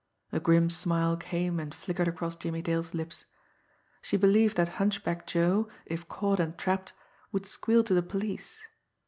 A grim smile came and flickered across Jimmie Dale's lips. She believed that Hunchback Joe, if caught and trapped, would squeal to the police.